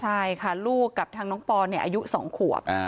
ใช่ค่ะลูกกับทางน้องปอนอายุ๒ขวบ